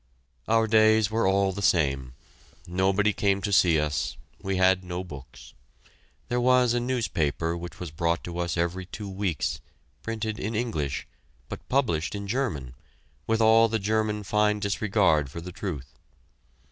Our days were all the same. Nobody came to see us; we had no books. There was a newspaper which was brought to us every two weeks, printed in English, but published in German, with all the German fine disregard for the truth.